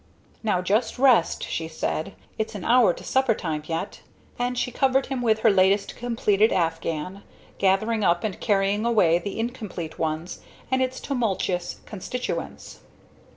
"Now, just rest," she said. "It's an hour to supper time yet!" And she covered him with her latest completed afghan, gathering up and carrying away the incomplete one and its tumultuous constituents.